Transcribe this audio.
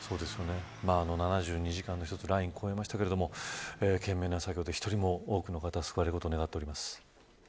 ７２時間の一つラインを越えましたけど懸命な作業で１人でも多くの人が救われることを願っています。